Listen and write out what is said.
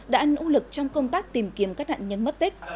đã nỗ lực trong công tác tìm kiếm các nạn nhân mất tích